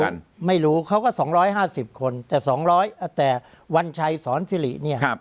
ไม่รู้เขาก็๒๕๐คนแต่๒๐๐แต่วันชัยสอนสิริเนี่ย